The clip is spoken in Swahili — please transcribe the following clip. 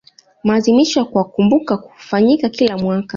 maadhimisho ya kuwakumbuka hufanyika kila mwaka